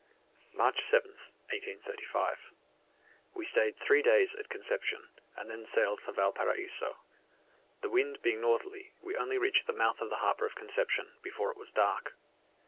MARCH 7th, 1835. We stayed three days at Concepcion, and then sailed for Valparaiso. The wind being northerly, we only reached the mouth of the harbour of Concepcion before it was dark.